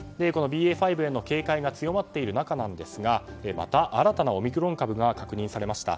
ＢＡ．５への警戒が強まっている中ですがまた新たなオミクロン株が確認されました。